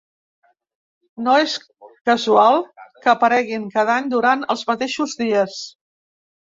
No és casual que apareguin cada any durant els mateixos dies.